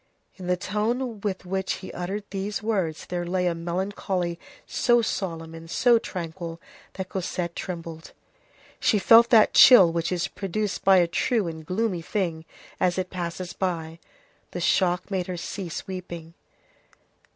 In the tone with which he uttered these words there lay a melancholy so solemn and so tranquil, that Cosette trembled. She felt that chill which is produced by a true and gloomy thing as it passes by. The shock made her cease weeping.